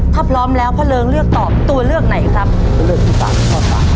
ถ้าพร้อมแล้วพ่อเริงเลือกตอบตัวเลือกไหนครับตัวเลือกที่สามข้อสาม